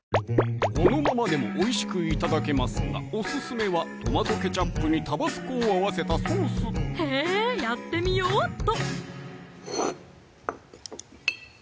そのままでもおいしく頂けますがオススメはトマトケチャップにタバスコを合わせたソースへぇやってみようっと！